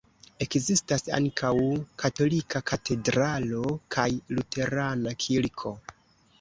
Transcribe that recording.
Ekzistas ankaŭ katolika katedralo kaj luterana kirko.